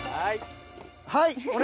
はい！